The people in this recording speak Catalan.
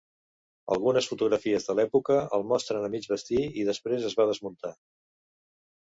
Algunes fotografies de l'època el mostren a mig bastir, i després es va desmuntar.